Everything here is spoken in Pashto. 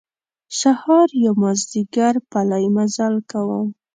سهار یا مازیګر پلی مزل کوم.